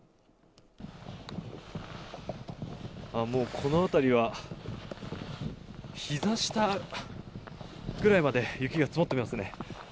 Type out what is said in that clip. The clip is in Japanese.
もうこの辺りはひざ下ぐらいまで雪が積もっていますね。